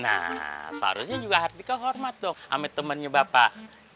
nah seharusnya juga atika hormat dong sama temennya bapak